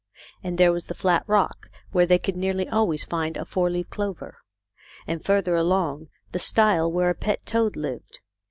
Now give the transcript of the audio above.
And there was the flat rock where they could nearly always find a four leaf clover, and, farther along, the stile where a pet toad lived.